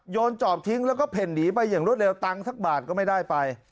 จอบทิ้งแล้วก็เพ่นหนีไปอย่างรวดเร็วตังค์สักบาทก็ไม่ได้ไป